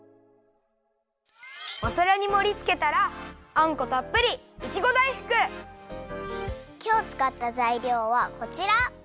おさらにもりつけたらあんこたっぷりきょうつかったざいりょうはこちら！